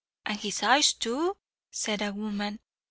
"And his eyes too," said a woman.